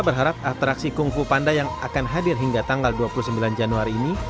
tapi kita berharap atraksi kung fu panda yang akan hadir hingga tanggal dua puluh sembilan januari ini